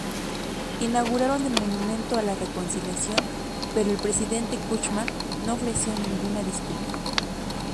Inauguraron el monumento a la reconciliación, pero el presidente Kuchma no ofreció ninguna disculpa.